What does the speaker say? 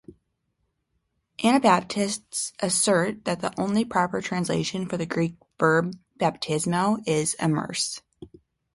Anabaptists assert that the only proper translation for the Greek verb "baptizmo" is "immerse".